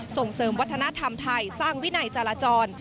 ส่งเสริมวัฒนธรรมไทยสร้างวินัยจราจร